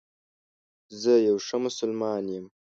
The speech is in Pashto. زه یو ښه مسلمان یم